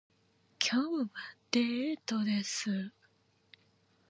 今日はデートです